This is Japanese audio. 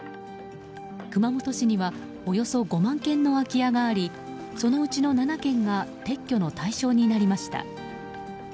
熊本市にはおよそ５万軒の空き家がありそのうちの７軒が撤去の対象になりました。